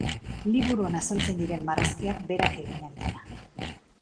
Liburuan azaltzen diren marrazkiak berak eginak dira.